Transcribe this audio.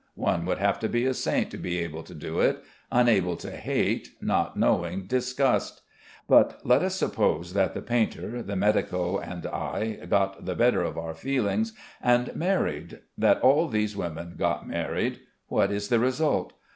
One would have to be a saint to be able to do it, unable to hate, not knowing disgust. But let us suppose that the painter, the medico, and I got the better of our feelings and married, that all these women got married, what is the result?